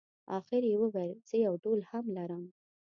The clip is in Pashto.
اخر یې وویل زه یو ډول هم لرم.